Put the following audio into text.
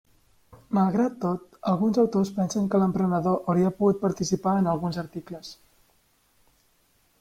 Malgrat tot, alguns autors pensen que l'emperador hauria pogut participar en alguns articles.